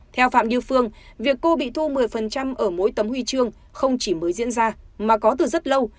theo phạm như phương việc cô bị thu một mươi ở mỗi tấm huy chương không chỉ mới diễn ra mà có từ rất lâu